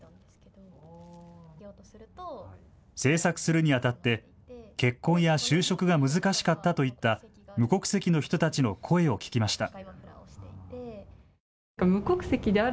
制作するにあたって結婚や就職が難しかったという無国籍の人たちの声を聞きました。